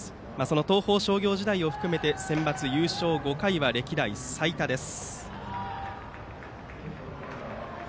東邦商業時代を含めてセンバツ優勝５回は歴代最多です。